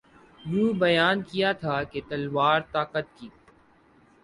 یوں بیان کیا تھا کہ تلوار طاقت کی